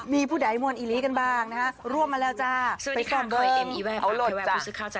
มีผู้ใดมวลอีรีกันบ้างนะฮะร่วมมาแล้วจ้าไปซ่อนเบิ้งเอาหลดจ้ะ